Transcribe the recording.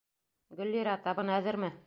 Гөллирә, табын әҙерме?